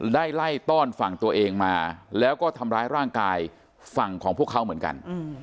ไล่ต้อนฝั่งตัวเองมาแล้วก็ทำร้ายร่างกายฝั่งของพวกเขาเหมือนกัน